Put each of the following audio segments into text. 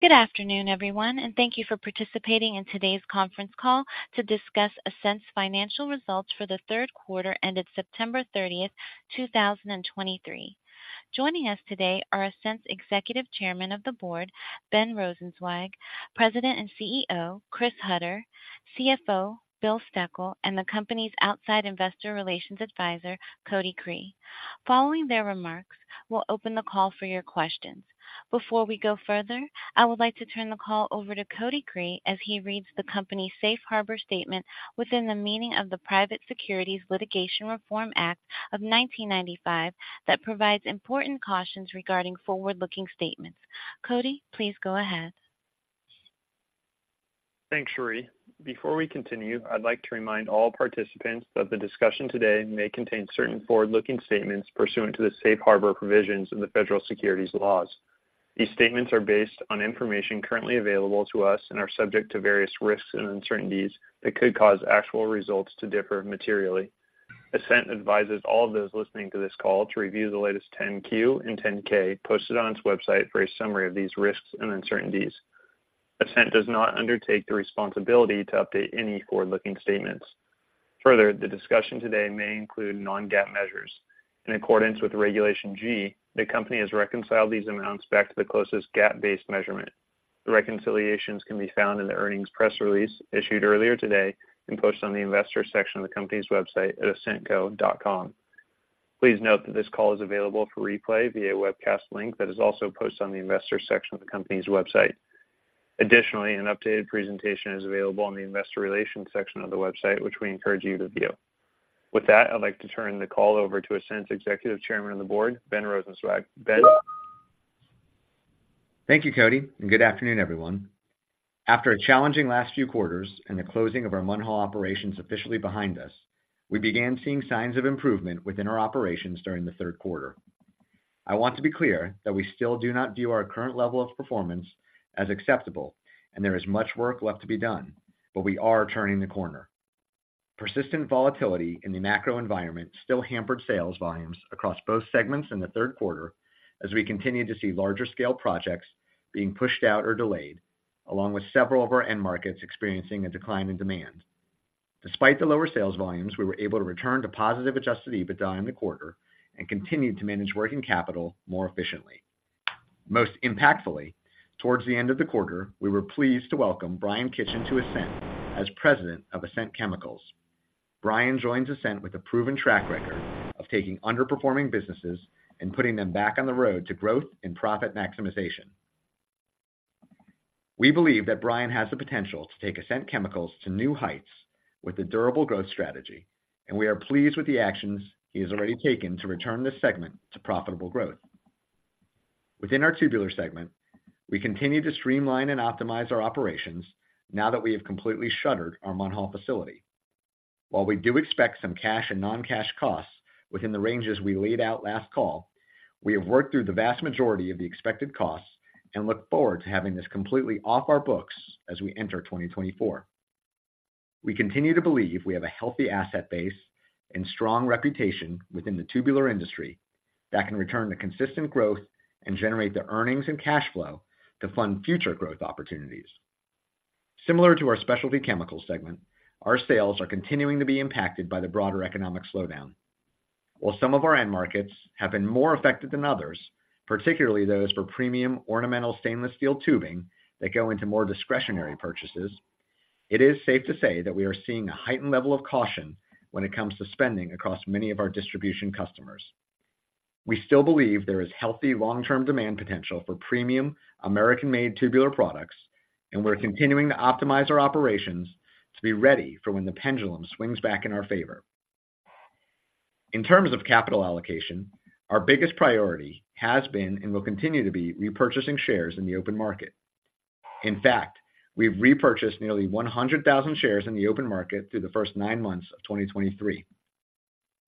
Good afternoon, everyone, and thank you for participating in today's conference call to discuss Ascent's financial results for the third quarter, ended September 30, 2023. Joining us today are Ascent's Executive Chairman of the Board, Ben Rosenzweig, President and CEO, Chris Hutter, CFO, Bill Steckel, and the company's outside Investor Relations Advisor, Cody Cree. Following their remarks, we'll open the call for your questions. Before we go further, I would like to turn the call over to Cody Cree, as he reads the company's safe harbor statement within the meaning of the Private Securities Litigation Reform Act of 1995, that provides important cautions regarding forward-looking statements. Cody, please go ahead. Thanks, Sheree. Before we continue, I'd like to remind all participants that the discussion today may contain certain forward-looking statements pursuant to the safe harbor provisions in the federal securities laws. These statements are based on information currently available to us and are subject to various risks and uncertainties that could cause actual results to differ materially. Ascent advises all of those listening to this call to review the latest 10-Q and 10-K posted on its website for a summary of these risks and uncertainties. Ascent does not undertake the responsibility to update any forward-looking statements. Further, the discussion today may include non-GAAP measures. In accordance with Regulation G, the company has reconciled these amounts back to the closest GAAP-based measurement. The reconciliations can be found in the earnings press release issued earlier today and posted on the investor section of the company's website at ascentco.com. Please note that this call is available for replay via webcast link that is also posted on the investor section of the company's website. Additionally, an updated presentation is available on the investor relations section of the website, which we encourage you to view. With that, I'd like to turn the call over to Ascent's Executive Chairman of the Board, Ben Rosenzweig. Ben? Thank you, Cody, and good afternoon, everyone. After a challenging last few quarters and the closing of our Munhall operations officially behind us, we began seeing signs of improvement within our operations during the third quarter. I want to be clear that we still do not view our current level of performance as acceptable, and there is much work left to be done, but we are turning the corner. Persistent volatility in the macro environment still hampered sales volumes across both segments in the third quarter, as we continued to see larger scale projects being pushed out or delayed, along with several of our end markets experiencing a decline in demand. Despite the lower sales volumes, we were able to return to positive Adjusted EBITDA in the quarter and continued to manage working capital more efficiently. Most impactfully, towards the end of the quarter, we were pleased to welcome Bryan Kitchen to Ascent as President of Ascent Chemicals. Bryan joins Ascent with a proven track record of taking underperforming businesses and putting them back on the road to growth and profit maximization. We believe that Bryan has the potential to take Ascent Chemicals to new heights with a durable growth strategy, and we are pleased with the actions he has already taken to return this segment to profitable growth. Within our Tubular segment, we continue to streamline and optimize our operations now that we have completely shuttered our Munhall facility. While we do expect some cash and non-cash costs within the ranges we laid out last call, we have worked through the vast majority of the expected costs and look forward to having this completely off our books as we enter 2024. We continue to believe we have a healthy asset base and strong reputation within the tubular industry that can return to consistent growth and generate the earnings and cash flow to fund future growth opportunities. Similar to our Specialty Chemicals segment, our sales are continuing to be impacted by the broader economic slowdown. While some of our end markets have been more affected than others, particularly those for premium ornamental stainless steel tubing that go into more discretionary purchases, it is safe to say that we are seeing a heightened level of caution when it comes to spending across many of our distribution customers. We still believe there is healthy long-term demand potential for premium American-made tubular products, and we're continuing to optimize our operations to be ready for when the pendulum swings back in our favor. In terms of capital allocation, our biggest priority has been, and will continue to be, repurchasing shares in the open market. In fact, we've repurchased nearly 100,000 shares in the open market through the first nine months of 2023.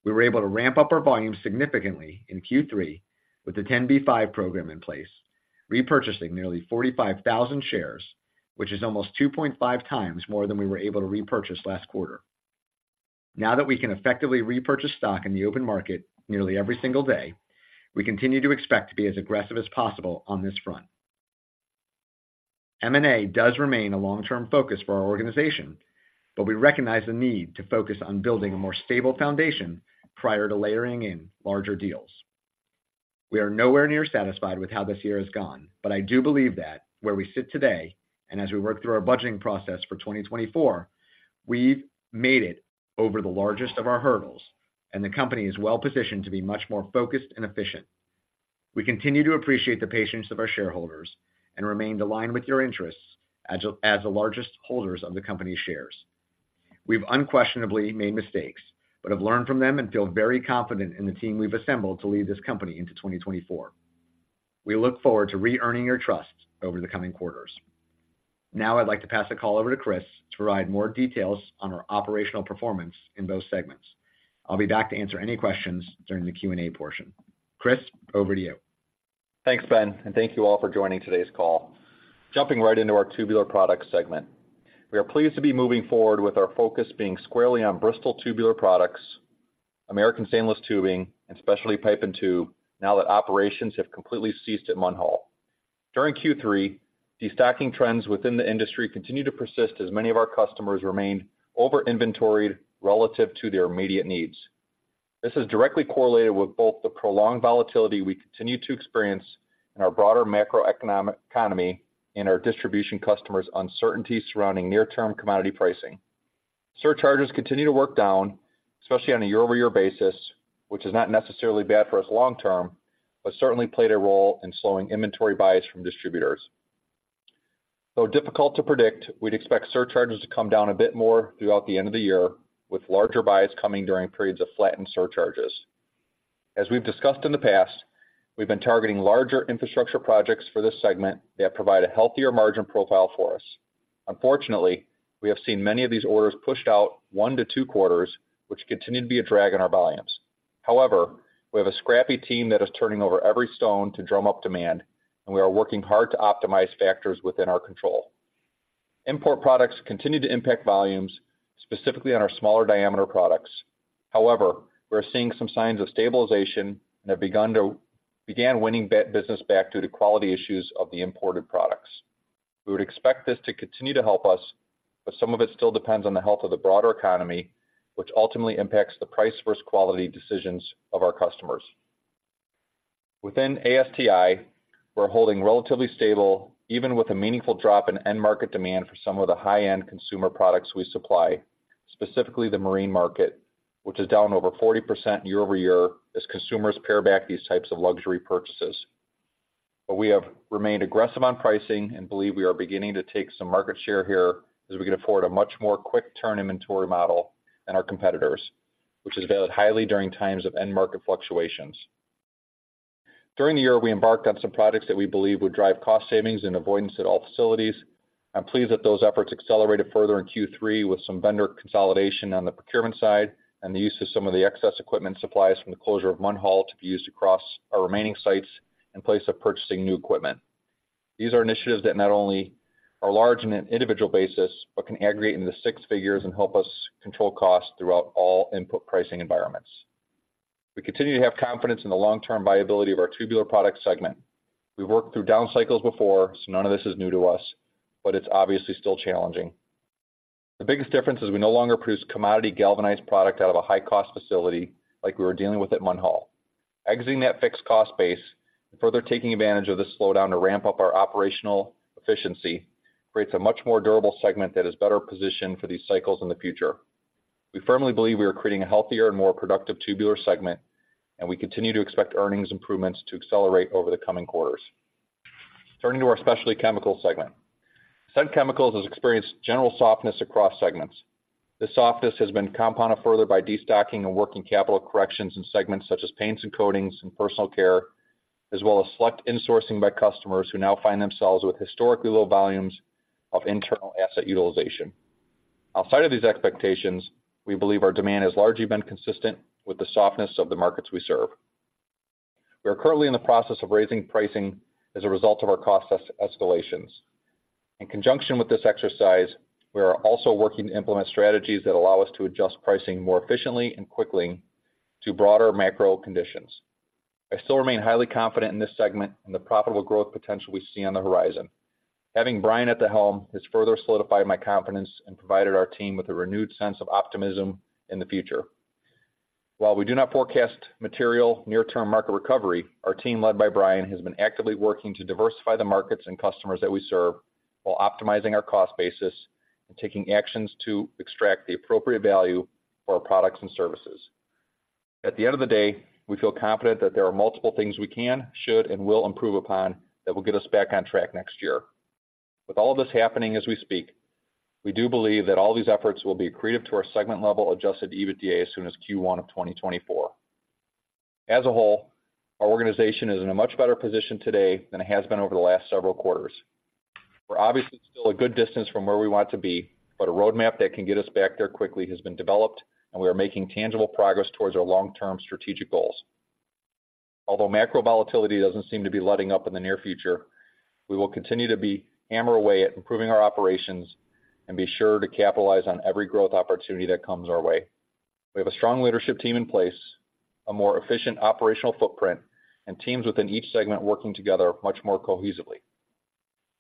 We were able to ramp up our volumes significantly in Q3 with the 10b5-1 program in place, repurchasing nearly 45,000 shares, which is almost 2.5 times more than we were able to repurchase last quarter. Now that we can effectively repurchase stock in the open market nearly every single day, we continue to expect to be as aggressive as possible on this front. M&A does remain a long-term focus for our organization, but we recognize the need to focus on building a more stable foundation prior to layering in larger deals. We are nowhere near satisfied with how this year has gone, but I do believe that where we sit today, and as we work through our budgeting process for 2024, we've made it over the largest of our hurdles, and the company is well positioned to be much more focused and efficient. We continue to appreciate the patience of our shareholders and remain aligned with your interests as, as the largest holders of the company's shares. We've unquestionably made mistakes, but have learned from them and feel very confident in the team we've assembled to lead this company into 2024. We look forward to reearning your trust over the coming quarters. Now I'd like to pass the call over to Chris to provide more details on our operational performance in those segments. I'll be back to answer any questions during the Q&A portion. Chris, over to you. Thanks, Ben, and thank you all for joining today's call. Jumping right into our Tubular Products segment. We are pleased to be moving forward with our focus being squarely on Bristol Tubular Products, American Stainless Tubing, and Specialty Pipe and Tube, now that operations have completely ceased at Munhall. During Q3, destocking trends within the industry continued to persist as many of our customers remained over-inventoried relative to their immediate needs. This is directly correlated with both the prolonged volatility we continue to experience in our broader macroeconomic economy and our distribution customers' uncertainty surrounding near-term commodity pricing. Surcharges continue to work down, especially on a year-over-year basis, which is not necessarily bad for us long term, but certainly played a role in slowing inventory buys from distributors. Though difficult to predict, we'd expect surcharges to come down a bit more throughout the end of the year, with larger buys coming during periods of flattened surcharges. As we've discussed in the past, we've been targeting larger infrastructure projects for this segment that provide a healthier margin profile for us. Unfortunately, we have seen many of these orders pushed out 1-2 quarters, which continue to be a drag on our volumes. However, we have a scrappy team that is turning over every stone to drum up demand, and we are working hard to optimize factors within our control. Import products continue to impact volumes, specifically on our smaller diameter products. However, we're seeing some signs of stabilization and began winning business back due to quality issues of the imported products. We would expect this to continue to help us, but some of it still depends on the health of the broader economy, which ultimately impacts the price versus quality decisions of our customers. Within ASTI, we're holding relatively stable, even with a meaningful drop in end-market demand for some of the high-end consumer products we supply, specifically the marine market, which is down over 40% year-over-year as consumers pare back these types of luxury purchases. We have remained aggressive on pricing and believe we are beginning to take some market share here as we can afford a much more quick turn inventory model than our competitors, which is valued highly during times of end-market fluctuations. During the year, we embarked on some projects that we believe would drive cost savings and avoidance at all facilities. I'm pleased that those efforts accelerated further in Q3, with some vendor consolidation on the procurement side and the use of some of the excess equipment supplies from the closure of Munhall to be used across our remaining sites in place of purchasing new equipment. These are initiatives that not only are large on an individual basis, but can aggregate into six figures and help us control costs throughout all input pricing environments. We continue to have confidence in the long-term viability of our tubular products segment. We've worked through down cycles before, so none of this is new to us, but it's obviously still challenging. The biggest difference is we no longer produce commodity galvanized product out of a high-cost facility like we were dealing with at Munhall. Exiting that fixed cost base and further taking advantage of this slowdown to ramp up our operational efficiency creates a much more durable segment that is better positioned for these cycles in the future. We firmly believe we are creating a healthier and more productive tubular segment, and we continue to expect earnings improvements to accelerate over the coming quarters. Turning to our Specialty Chemicals segment. Ascent Chemicals has experienced general softness across segments. This softness has been compounded further by destocking and working capital corrections in segments such as paints and coatings and personal care, as well as select insourcing by customers who now find themselves with historically low volumes of internal asset utilization. Outside of these expectations, we believe our demand has largely been consistent with the softness of the markets we serve. We are currently in the process of raising pricing as a result of our cost escalations. In conjunction with this exercise, we are also working to implement strategies that allow us to adjust pricing more efficiently and quickly to broader macro conditions. I still remain highly confident in this segment and the profitable growth potential we see on the horizon. Having Bryan at the helm has further solidified my confidence and provided our team with a renewed sense of optimism in the future. While we do not forecast material near-term market recovery, our team, led by Bryan, has been actively working to diversify the markets and customers that we serve while optimizing our cost basis and taking actions to extract the appropriate value for our products and services. At the end of the day, we feel confident that there are multiple things we can, should, and will improve upon that will get us back on track next year. With all of this happening as we speak, we do believe that all these efforts will be accretive to our segment-level Adjusted EBITDA as soon as Q1 of 2024. As a whole, our organization is in a much better position today than it has been over the last several quarters. We're obviously still a good distance from where we want to be, but a roadmap that can get us back there quickly has been developed, and we are making tangible progress towards our long-term strategic goals. Although macro volatility doesn't seem to be letting up in the near future, we will continue to hammer away at improving our operations and be sure to capitalize on every growth opportunity that comes our way. We have a strong leadership team in place, a more efficient operational footprint, and teams within each segment working together much more cohesively.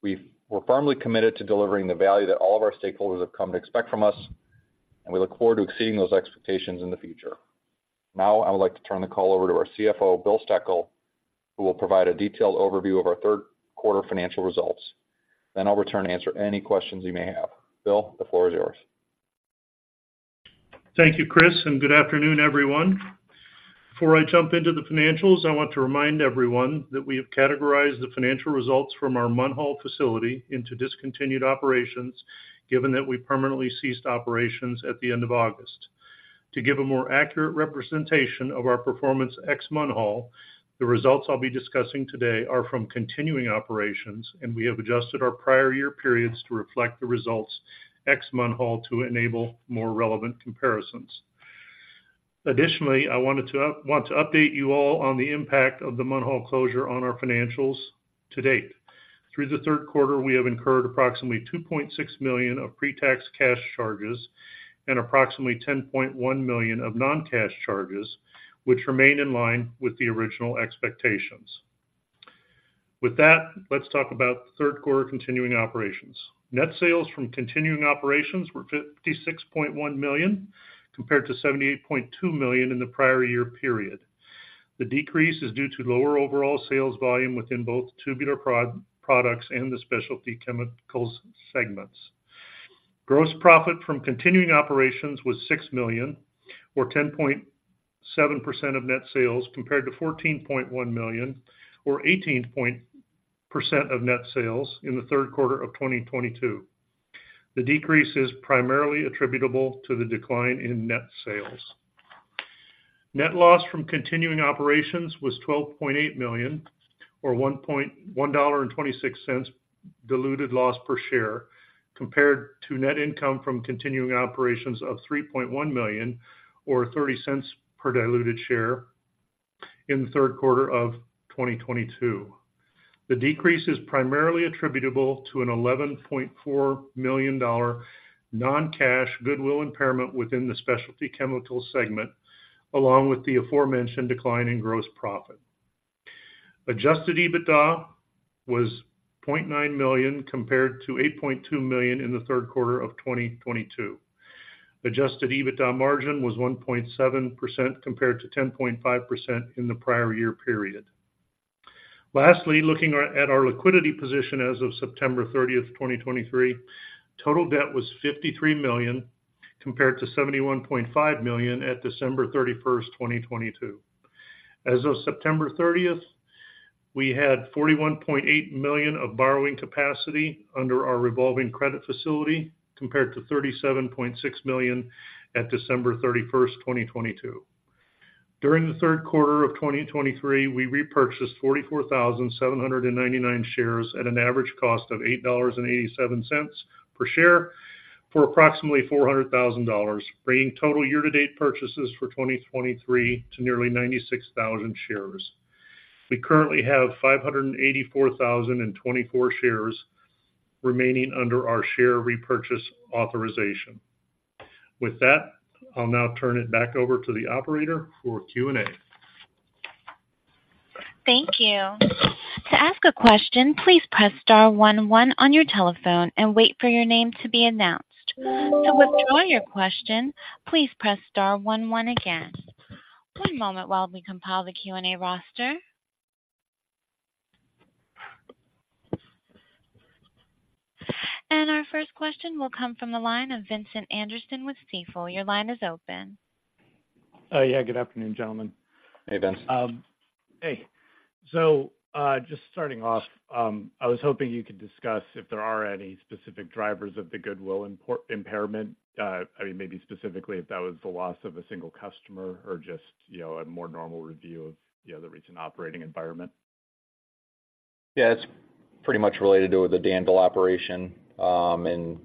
We're firmly committed to delivering the value that all of our stakeholders have come to expect from us, and we look forward to exceeding those expectations in the future. Now, I would like to turn the call over to our CFO, Bill Steckel, who will provide a detailed overview of our third quarter financial results. Then I'll return to answer any questions you may have. Bill, the floor is yours. Thank you, Chris, and good afternoon, everyone. Before I jump into the financials, I want to remind everyone that we have categorized the financial results from our Munhall facility into discontinued operations, given that we permanently ceased operations at the end of August. To give a more accurate representation of our performance ex Munhall, the results I'll be discussing today are from continuing operations, and we have adjusted our prior year periods to reflect the results ex Munhall to enable more relevant comparisons. Additionally, I want to update you all on the impact of the Munhall closure on our financials to date. Through the third quarter, we have incurred approximately $2.6 million of pre-tax cash charges and approximately $10.1 million of non-cash charges, which remain in line with the original expectations. With that, let's talk about third quarter continuing operations. Net sales from continuing operations were $56.1 million, compared to $78.2 million in the prior year period. The decrease is due to lower overall sales volume within both Tubular Products and the Specialty Chemicals segments. Gross profit from continuing operations was $6 million, or 10.7% of net sales, compared to $14.1 million, or 18% of net sales in the third quarter of 2022. The decrease is primarily attributable to the decline in net sales. Net loss from continuing operations was $12.8 million, or $1.26 diluted loss per share, compared to net income from continuing operations of $3.1 million, or $0.30 per diluted share in the third quarter of 2022. The decrease is primarily attributable to an $11.4 million non-cash goodwill impairment within the Specialty Chemicals segment, along with the aforementioned decline in gross profit. Adjusted EBITDA was $0.9 million, compared to $8.2 million in the third quarter of 2022. Adjusted EBITDA margin was 1.7%, compared to 10.5% in the prior year period. Lastly, looking at our liquidity position as of September 30, 2023, total debt was $53 million, compared to $71.5 million at December 31, 2022. As of September 30, we had $41.8 million of borrowing capacity under our revolving credit facility, compared to $37.6 million at December 31, 2022. During the third quarter of 2023, we repurchased 44,799 shares at an average cost of $8.87 per share for approximately $400,000, bringing total year-to-date purchases for 2023 to nearly 96,000 shares. We currently have 584,024 shares remaining under our share repurchase authorization. With that, I'll now turn it back over to the operator for Q&A. Thank you. To ask a question, please press star one, one on your telephone and wait for your name to be announced. To withdraw your question, please press star one, one again. One moment while we compile the Q&A roster. Our first question will come from the line of Vincent Anderson with Stifel. Your line is open. Yeah, good afternoon, gentlemen. Hey, Vince. Hey. So, just starting off, I was hoping you could discuss if there are any specific drivers of the Goodwill Impairment. I mean, maybe specifically if that was the loss of a single customer or just, you know, a more normal review of, you know, the recent operating environment. Yeah, it's pretty much related to the Danville operation, and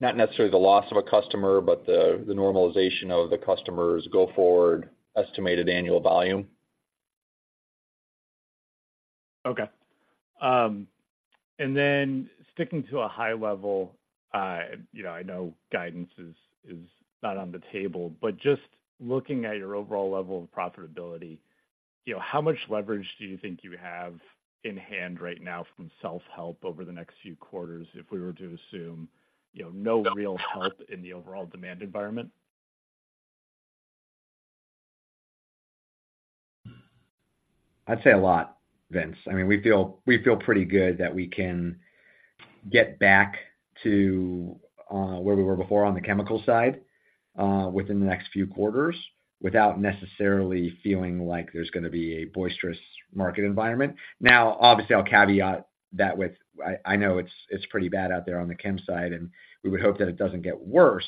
not necessarily the loss of a customer, but the normalization of the customer's go-forward estimated annual volume. Okay. And then sticking to a high level, you know, I know guidance is, is not on the table, but just looking at your overall level of profitability, you know, how much leverage do you think you have in hand right now from self-help over the next few quarters if we were to assume, you know, no real help in the overall demand environment? I'd say a lot, Vince. I mean, we feel, we feel pretty good that we can get back to where we were before on the chemical side, within the next few quarters, without necessarily feeling like there's going to be a boisterous market environment. Now, obviously, I'll caveat that with, I, I know it's, it's pretty bad out there on the chem side, and we would hope that it doesn't get worse.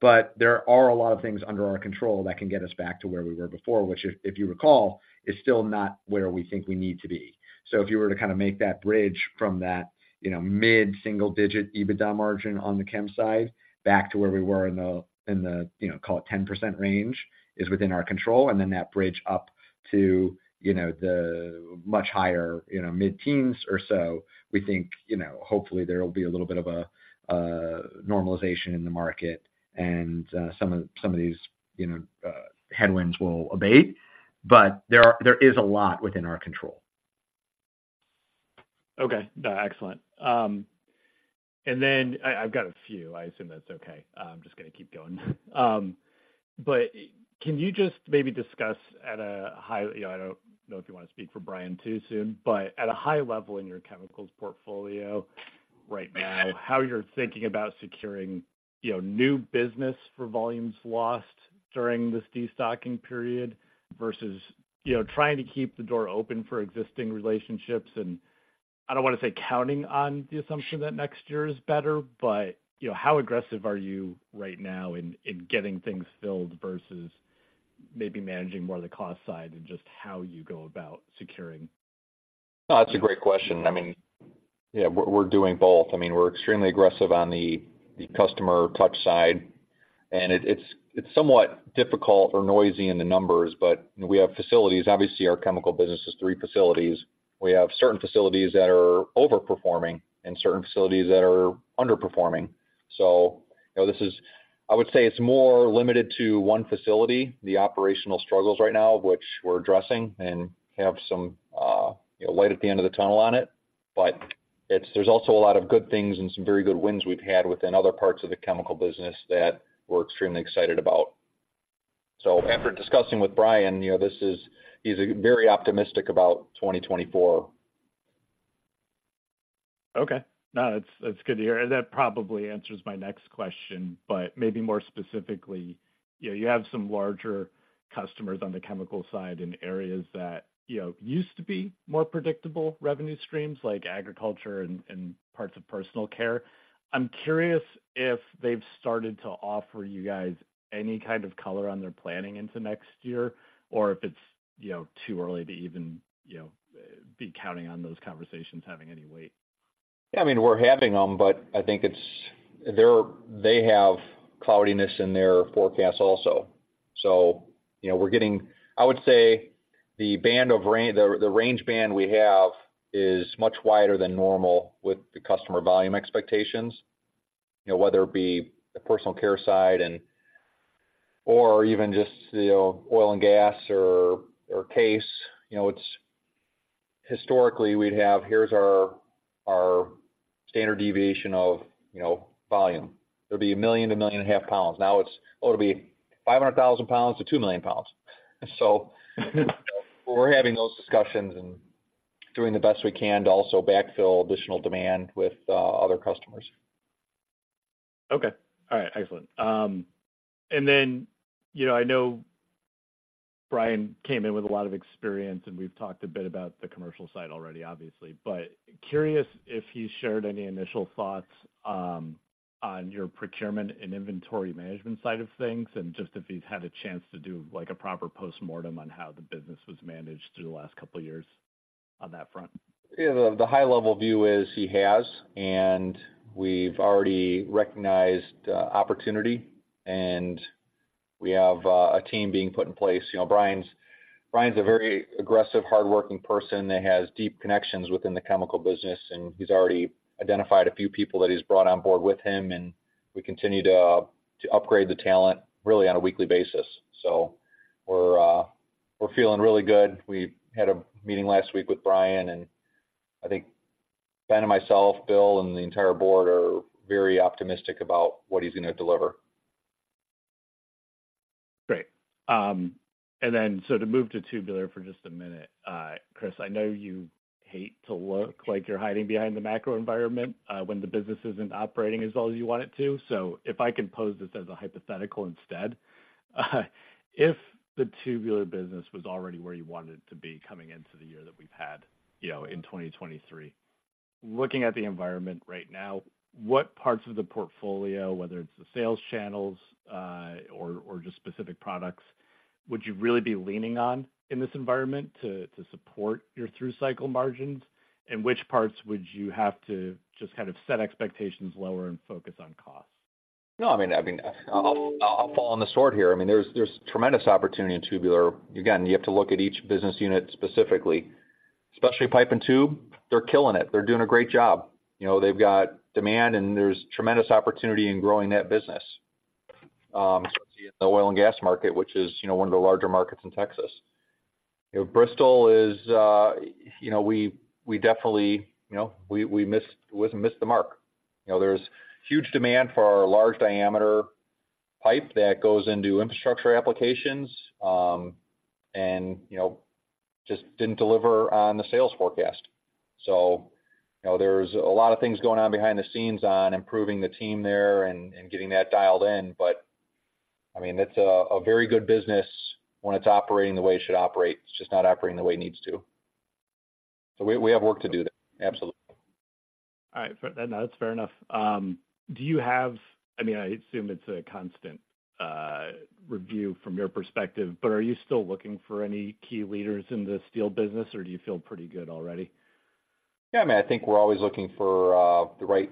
But there are a lot of things under our control that can get us back to where we were before, which, if, if you recall, is still not where we think we need to be. So if you were to kind of make that bridge from that, you know, mid-single-digit EBITDA margin on the chem side back to where we were in the, you know, call it 10% range, is within our control, and then that bridge up to, you know, the much higher, you know, mid-teens or so, we think, you know, hopefully there will be a little bit of a normalization in the market and some of these, you know, headwinds will abate. But there are, there is a lot within our control. Okay. Excellent. And then I've got a few. I assume that's okay. I'm just gonna keep going. But can you just maybe discuss at a high... You know, I don't know if you want to speak for Bryan too soon, but at a high level in your chemicals portfolio right now, how you're thinking about securing, you know, new business for volumes lost during this destocking period versus, you know, trying to keep the door open for existing relationships. And I don't want to say counting on the assumption that next year is better, but, you know, how aggressive are you right now in getting things filled versus maybe managing more of the cost side and just how you go about securing? No, that's a great question. I mean, yeah, we're doing both. I mean, we're extremely aggressive on the customer touch side. And it's somewhat difficult or noisy in the numbers, but we have facilities. Obviously, our chemical business is three facilities. We have certain facilities that are overperforming and certain facilities that are underperforming. So, you know, this is, I would say it's more limited to one facility, the operational struggles right now, which we're addressing and have some, you know, light at the end of the tunnel on it. But it's, there's also a lot of good things and some very good wins we've had within other parts of the chemical business that we're extremely excited about. So after discussing with Bryan, you know, this is, he's very optimistic about 2024. Okay. No, that's, that's good to hear, and that probably answers my next question. But maybe more specifically, you know, you have some larger customers on the chemical side in areas that, you know, used to be more predictable revenue streams, like agriculture and parts of personal care. I'm curious if they've started to offer you guys any kind of color on their planning into next year, or if it's, you know, too early to even, you know, be counting on those conversations having any weight. Yeah, I mean, we're having them, but I think it's... They have cloudiness in their forecast also. So, you know, we're getting. I would say the band of range, the range band we have is much wider than normal with the customer volume expectations. You know, whether it be the personal care side and or even just, you know, oil and gas or CASE, you know, it's historically, we'd have, "Here's our standard deviation of, you know, volume." There'd be 1 million-1.5 million pounds. Now it's, "Oh, it'll be 500,000-2 million pounds." So we're having those discussions and doing the best we can to also backfill additional demand with other customers. Okay. All right. Excellent. And then, you know, I know Bryan came in with a lot of experience, and we've talked a bit about the commercial side already, obviously. But curious if he's shared any initial thoughts on your procurement and inventory management side of things, and just if he's had a chance to do, like, a proper postmortem on how the business was managed through the last couple of years on that front. Yeah, the high-level view is he has, and we've already recognized opportunity, and we have a team being put in place. You know, Bryan's a very aggressive, hardworking person that has deep connections within the chemical business, and he's already identified a few people that he's brought on board with him, and we continue to upgrade the talent, really, on a weekly basis. So we're feeling really good. We had a meeting last week with Bryan, and I think Ben and myself, Bill, and the entire board are very optimistic about what he's going to deliver. Great. And then, so to move to Tubular for just a minute, Chris, I know you hate to look like you're hiding behind the macro environment when the business isn't operating as well as you want it to, so if I can pose this as a hypothetical instead. If the Tubular business was already where you wanted it to be coming into the year that we've had, you know, in 2023, looking at the environment right now, what parts of the portfolio, whether it's the sales channels, or, or just specific products, would you really be leaning on in this environment to, to support your through-cycle margins? And which parts would you have to just kind of set expectations lower and focus on costs? No, I mean, I'll fall on the sword here. I mean, there's tremendous opportunity in Tubular. Again, you have to look at each business unit specifically, especially pipe and tube. They're killing it. They're doing a great job. You know, they've got demand, and there's tremendous opportunity in growing that business, especially in the oil and gas market, which is, you know, one of the larger markets in Texas. You know, Bristol is, you know, we definitely, you know, we missed the mark. You know, there's huge demand for our large-diameter pipe that goes into infrastructure applications, and, you know, just didn't deliver on the sales forecast. So, you know, there's a lot of things going on behind the scenes on improving the team there and, and getting that dialed in, but, I mean, it's a, a very good business when it's operating the way it should operate. It's just not operating the way it needs to. So we, we have work to do there. Absolutely. All right. No, that's fair enough. I mean, I assume it's a constant review from your perspective, but are you still looking for any key leaders in the steel business, or do you feel pretty good already? Yeah, I mean, I think we're always looking for the right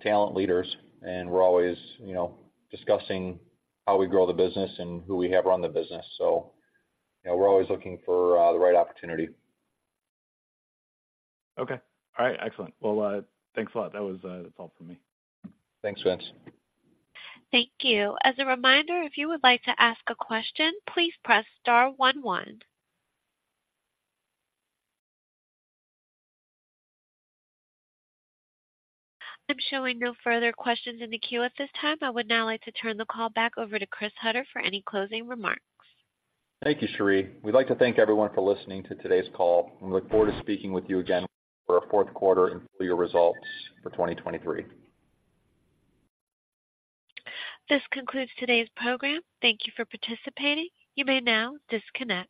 talent leaders, and we're always, you know, discussing how we grow the business and who we have run the business. So, you know, we're always looking for the right opportunity. Okay. All right. Excellent. Well, thanks a lot. That was, that's all for me. Thanks, Vince. Thank you. As a reminder, if you would like to ask a question, please press star one one. I'm showing no further questions in the queue at this time. I would now like to turn the call back over to Chris Hutter for any closing remarks. Thank you, Sheree. We'd like to thank everyone for listening to today's call. We look forward to speaking with you again for our fourth quarter and full year results for 2023. This concludes today's program. Thank you for participating. You may now disconnect.